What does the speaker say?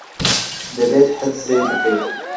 دەبێت حجزێک بکەیت.